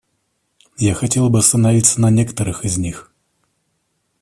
Я хотел бы остановиться на некоторых из них.